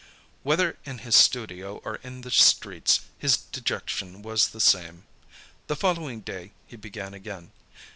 Whether in his studio or in the streets, his dejection was the same. The following day he began again.